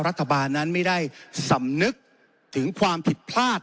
รัฐบาลนั้นไม่ได้สำนึกถึงความผิดพลาด